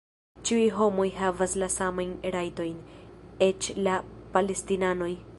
Ĉiuj homoj havas la samajn rajtojn... eĉ la palestinanoj!